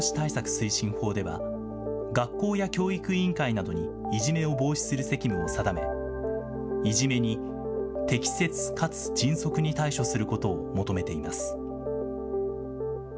推進法では、学校や教育委員会などに、いじめを防止する責務を定め、いじめに適切かつ迅速に対処することを求めています。